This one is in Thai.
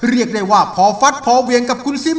เรียกได้ว่าพอฟัดพอเวียงกับคุณซิม